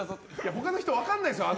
他の人分からないですよ